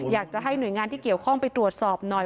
อยากจะให้หน่วยงานที่เกี่ยวข้องไปตรวจสอบหน่อย